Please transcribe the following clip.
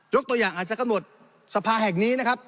ตัวอย่างอาจจะกำหนดสภาแห่งนี้นะครับ